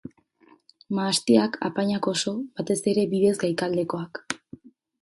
Mahastiak, apainak oso, batez ere bidez gaikaldekoak.